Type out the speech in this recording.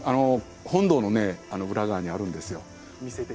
本堂の裏側にあるんです。